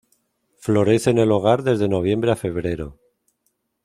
Florece en el hogar desde noviembre a febrero.